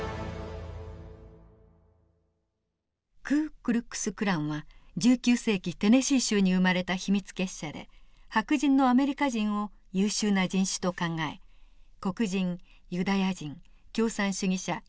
クー・クラックス・クランは１９世紀テネシー州に生まれた秘密結社で白人のアメリカ人を優秀な人種と考え黒人ユダヤ人共産主義者